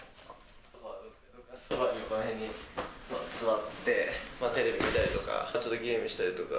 ソファのここら辺に座って、テレビ見たりとか、普通にゲームしたりとか。